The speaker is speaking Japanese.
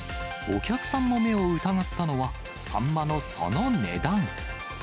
お客さんも目を疑ったのは、サンマのその値段。